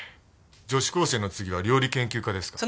女子高生の次は料理研究家ですか。